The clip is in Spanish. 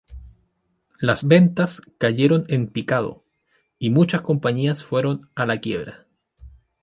Las ventas cayeron en picado, y muchas compañías fueron a la quiebra.